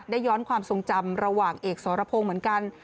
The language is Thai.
ย้อนความทรงจำระหว่างเอกสรพงศ์เหมือนกัน